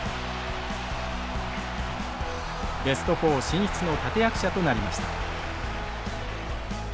ベスト４進出の立て役者となりました。